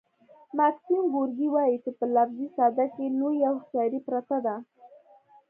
ماکسیم ګورکي وايي چې په لفظي ساده ګۍ کې لویه هوښیاري پرته ده